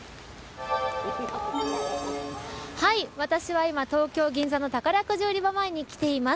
はい、私は今、東京、銀座の宝くじ売り場前に来ています。